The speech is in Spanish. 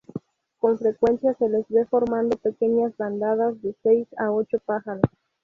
Con frecuencia se les ve formando pequeñas bandadas de seis a ocho pájaros.